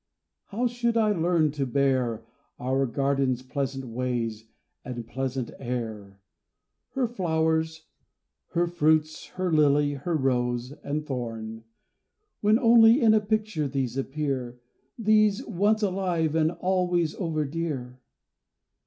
How should I learn to bear Our garden's pleasant ways and pleasant air, Her flowers, her fruits, her lily, her rose and thorn, When only in a picture these appear These, once alive, and always over dear?